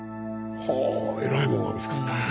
はぁえらいもんが見つかったね。